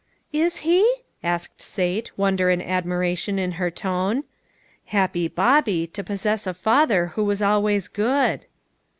"Is he?" asked Sate, wonder and admiration in her tone. Happy Bobby, to possess a father who was always good